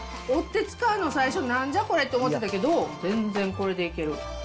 折って使うの最初、なんじゃこれって思ってたけど、全然これでいける。